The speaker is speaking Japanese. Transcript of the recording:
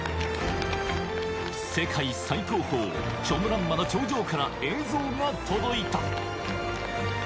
世界最高峰、チョモランマの頂上から映像が届いた。